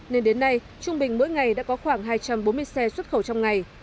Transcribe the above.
nên đến nay trung bình mỗi ngày đã có khoảng hai trăm bốn mươi xe xuất khẩu trong ngày